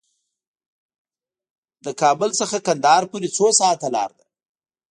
کابل نه قندهار پورې څو ساعته لار ده؟